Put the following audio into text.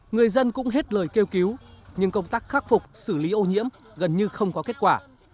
người dân cũng hết lời kêu cứu nhưng công tác khắc phục xử lý ô nhiễm gần như không có kết quả